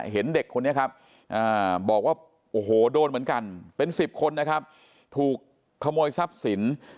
เห็นเด็กคนนี้ครับบอกว่าโอ้โหโดนเหมือนกันเป็น๑๐คนนะครับถูกขโมยทรัพย์สิน